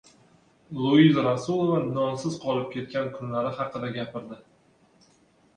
Luiza Rasulova nonsiz qolib ketgan kunlari haqida gapirdi